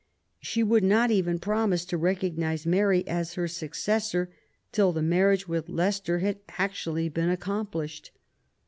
She would not even promise to recognise Mary as her successor till the marriage with Leicester had actually been accomplished.